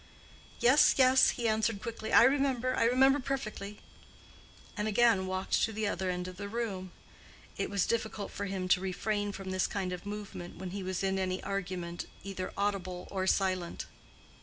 "Yes, yes," he answered quickly, "I remember—I remember perfectly," and again walked to the other end of the room. It was difficult for him to refrain from this kind of movement when he was in any argument either audible or silent.